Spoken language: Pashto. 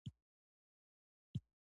ټولنیز واټن له څلورو تر لسو فوټو پورې وي.